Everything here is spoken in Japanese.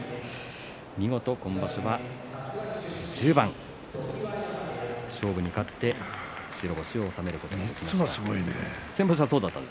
見事、今場所は１０番勝負に勝って白星を収めることができました。